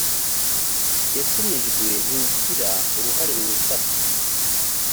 yatumijwe ntigira uruhare mu ifatwa